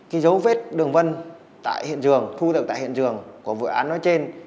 cái dấu vết đường vân thu được tại hiện trường của vụ án nói trên